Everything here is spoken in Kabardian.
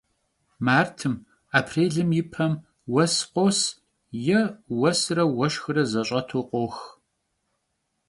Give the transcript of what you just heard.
Martım, aprêlım yi pem vues khos yê vuesre vueşşxre zeş'etu khox.